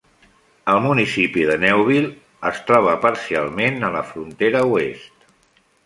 El municipi de Newville es trobar parcialment a la frontera oest.